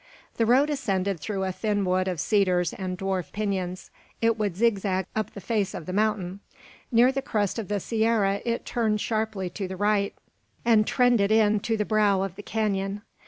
The road ascended through a thin wood of cedars and dwarf pinons. It would zigzag up the face of the mountain. Near the crest of the sierra it turned sharply to the right, and trended in to the brow of the canon.